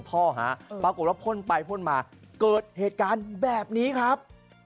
ปรากฏว่าพ่นไปพ่นมาเกิดเหตุการณ์แบบนี้ครับ